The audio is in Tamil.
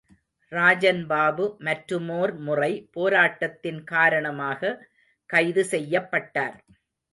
ராஜன் பாபு, மற்றுமோர் முறை போராட்டத்தின் காரணமாக கைது செய்யப்பட்டார்.